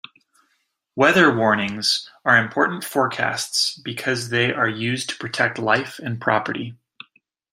Weather warnings are important forecasts because they are used to protect life and property.